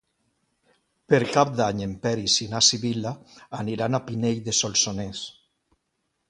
Per Cap d'Any en Peris i na Sibil·la aniran a Pinell de Solsonès.